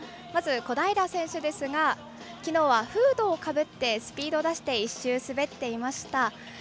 まず、小平選手ですがきのうはフードをかぶってスピードを出して１周滑っていました。